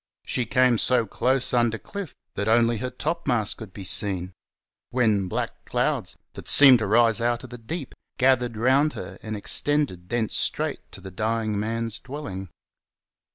She came so close under cliff that only her topmast could be seen ; when black clouds — that seemed to rise out of the deep — gathered around her and extended thence straight to the dying man's dwelling.